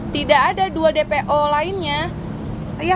tidak ada dua dpo lainnya